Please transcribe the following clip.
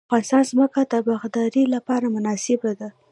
د افغانستان ځمکه د باغدارۍ لپاره مناسبه ده